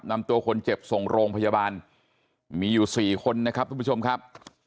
นำตัวคนเจ็บส่งโรงพยาบาลมีอยู่สี่คนนะครับทุกผู้ชมครับ